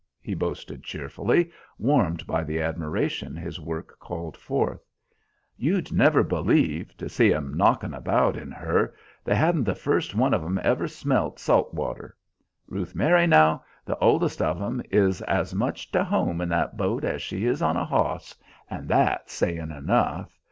he boasted cheerfully, warmed by the admiration his work called forth. "You'd never believe, to see 'em knocking about in her, they hadn't the first one of 'em ever smelt salt water. Ruth Mary now, the oldest of 'em, is as much to home in that boat as she is on a hoss and that's sayin' enough.